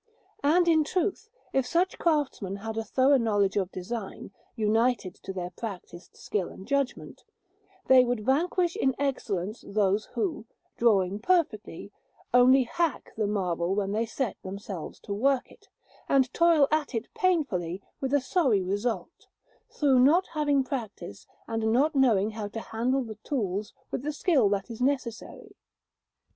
And, in truth, if such craftsmen had a thorough knowledge of design united to their practised skill and judgment, they would vanquish in excellence those who, drawing perfectly, only hack the marble when they set themselves to work it, and toil at it painfully with a sorry result, through not having practice and not knowing how to handle the tools with the skill that is necessary.